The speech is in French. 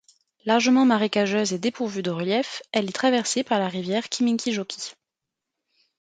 Largement marécageuse et dépourvue de relief, elle est traversée par la rivière Kiiminkijoki.